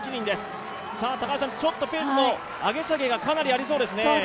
ちょっとペースの上げ下げがかなりありそうですね。